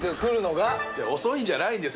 遅いんじゃないんですよ。